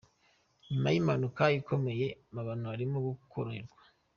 Nyuma y’impanuka ikomeye mabano arimo koroherwa